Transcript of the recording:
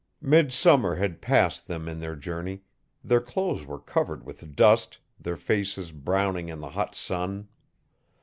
Midsummer had passed them in their journey; their clothes were covered with dust; their faces browning in the hot sun.